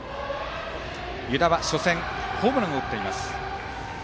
湯田は初戦ホームランを打っています。